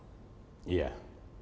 roadmap untuk penerbangan penerbangan